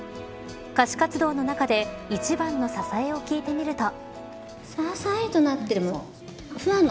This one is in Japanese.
歌手活動の中で一番の支えを聞いてみると。